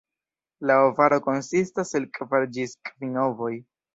La ovaro konsistas el kvar ĝis kvin ovoj.